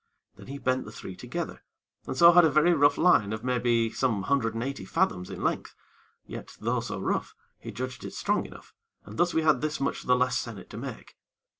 Then he bent the three together, and so had a very rough line of maybe some hundred and eighty fathoms in length, yet, though so rough, he judged it strong enough, and thus we had this much the less sennit to make.